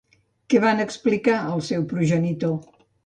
Què van explicar al seu progenitor?